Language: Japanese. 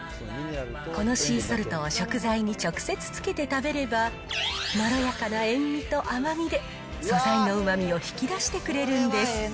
このシーソルトを食材に直接つけて食べれば、まろやかな塩味と甘みで、素材のうまみを引き出してくれるんです。